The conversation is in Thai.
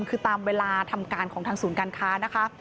คือตามเวลาทำการของทางศูนย์การค้านะคะ